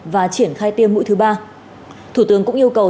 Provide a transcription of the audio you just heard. và triển khai tiêm mũi thứ ba thủ tướng cũng yêu cầu